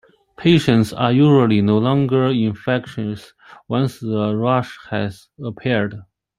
Patients are usually no longer infectious once the rash has appeared.